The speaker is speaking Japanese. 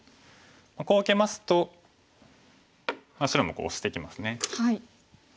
こう受けますと白もオシてきますね。